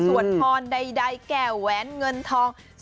พรใดแก่แหวนเงินทอง